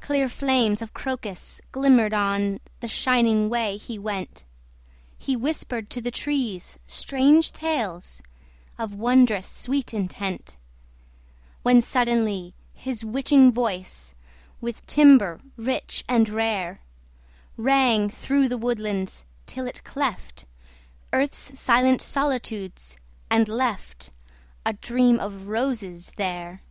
Clear flames of Crocus glimmered on The shining way he went. He whispered to the trees strange tales Of wondrous sweet intent, When, suddenly, his witching voice With timbre rich and rare, Rang through the woodlands till it cleft Earth's silent solitudes, and left A Dream of Roses there!